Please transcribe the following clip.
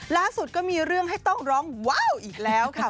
ล่าสุดก็มีเรื่องให้ต้องร้องว้าวอีกแล้วค่ะ